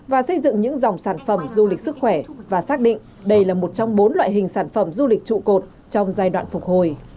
và xây dựng những dòng sản phẩm du lịch sức khỏe và xác định đây là một trong bốn loại hình sản phẩm du lịch trụ cột trong giai đoạn phục hồi